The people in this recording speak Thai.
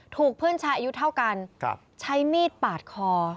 ถูกเพื่อนชายอายุเท่ากันใช้มีดปาดคอ